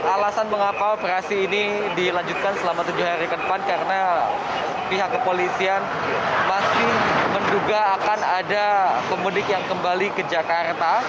alasan mengapa operasi ini dilanjutkan selama tujuh hari ke depan karena pihak kepolisian masih menduga akan ada pemudik yang kembali ke jakarta